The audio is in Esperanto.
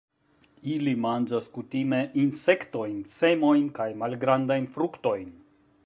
Ili manĝas kutime insektojn, semojn kaj malgrandajn fruktojn.